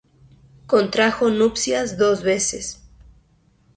Contrajo nupcias dos veces.